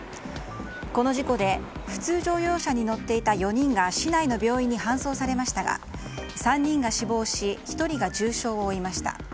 この事故で普通乗用車に乗っていた４人が市内の病院に搬送されましたが３人が死亡し１人が重傷を負いました。